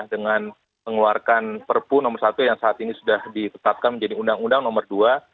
dengan mengeluarkan perpu nomor satu yang saat ini sudah ditetapkan menjadi undang undang nomor dua